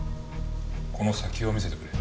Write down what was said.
この先を見せてくれ。